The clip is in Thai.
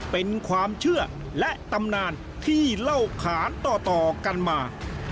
เป็นความเชื่อและตำนานที่เล่าขานต่อกันมา